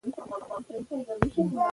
پښتو د اړیکو لپاره ګټوره ده.